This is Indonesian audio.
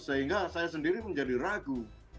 sehingga saya sendiri menjadi ragu